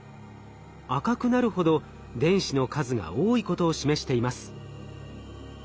赤くなるほど電子の数が多いことを示しています。